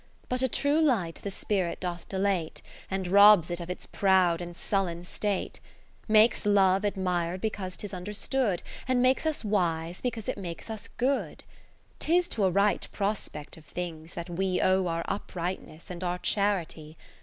But a true light the spirit doth dilate. And robs it of its proud and sullen state ; Makes Love admir'd because 'tis understood, And makes us wise because it makes us good. 40 'Tis to a right prospect of things that we Owe our Uprightness and our Charity.